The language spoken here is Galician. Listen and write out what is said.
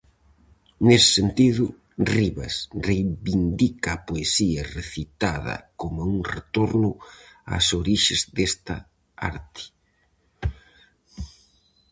Nese sentido, Rivas reivindica a poesía recitada coma un retorno ás orixes desta arte.